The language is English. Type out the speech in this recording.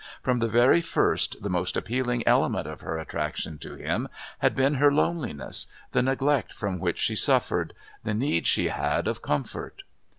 From the very first the most appealing element of her attraction to him had been her loneliness, the neglect from which she suffered, the need she had of comfort.